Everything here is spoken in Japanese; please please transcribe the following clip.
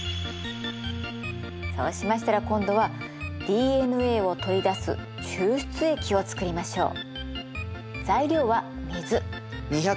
そうしましたら今度はＤＮＡを取り出す抽出液を作りましょう。